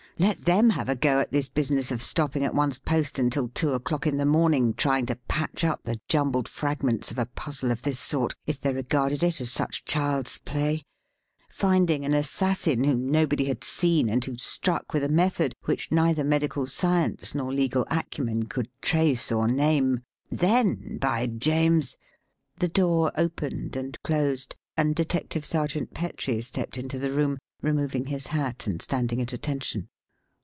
Let them have a go at this business of stopping at one's post until two o'clock in the morning trying to patch up the jumbled fragments of a puzzle of this sort, if they regarded it as such child's play finding an assassin whom nobody had seen and who struck with a method which neither medical science nor legal acumen could trace or name. Then, by James.... The door opened and closed, and Detective Sergeant Petrie stepped into the room, removing his hat and standing at attention.